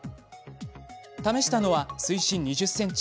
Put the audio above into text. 試したのは、水深２０ｃｍ。